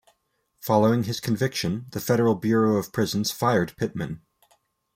Following his conviction the Federal Bureau of Prisons fired Pittman.